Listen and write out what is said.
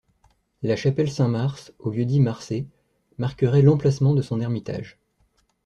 La chapelle Saint-Mars, au lieu dit Marsé, marquerait l'emplacement de son ermitage.